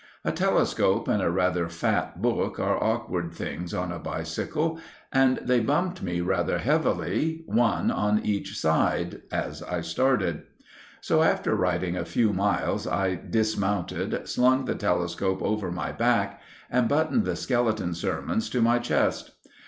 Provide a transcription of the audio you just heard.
A telescope and a rather fat book are awkward things on a bicycle, and they bumped me rather heavily, one on each side, as I started. So after riding a few miles I dismounted, slung the telescope over my back and buttoned the Skeleton Sermons to my chest.